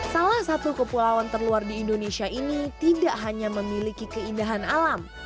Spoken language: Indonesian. salah satu kepulauan terluar di indonesia ini tidak hanya memiliki keindahan alam